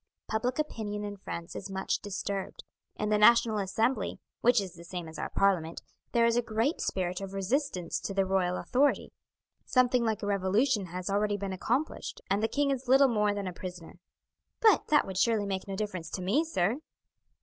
Public opinion in France is much disturbed. In the National Assembly, which is the same as our Parliament, there is a great spirit of resistance to the royal authority, something like a revolution has already been accomplished, and the king is little more than a prisoner." "But that would surely make no difference to me, sir!"